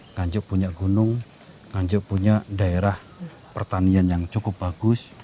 nganjuk punya gunung nganjuk punya daerah pertanian yang cukup bagus